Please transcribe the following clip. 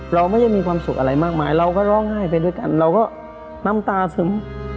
เราไม่ได้มีความสุขอะไรมากมายเราก็ร้องไห้ไปด้วยกันเราก็น้ำตาซึม